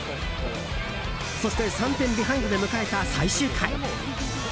そして、３点ビハインドで迎えた最終回。